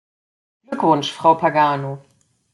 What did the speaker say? Glückwunsch, Frau Pagano!